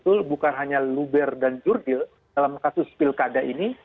itu betul betul bukan hanya luber dan jurgil dalam kasus pilkada ini